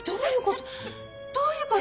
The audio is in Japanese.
どどういうこと？